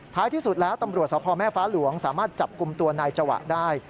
ที่สุดแล้วตำรวจสพแม่ฟ้าหลวงสามารถจับกลุ่มตัวนายจวะได้